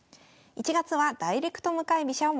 １月はダイレクト向かい飛車を学んでいます。